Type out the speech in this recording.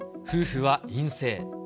夫婦は陰性。